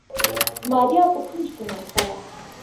ماريا په کونج کې ناسته وه.